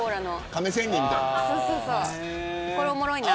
亀仙人みたい。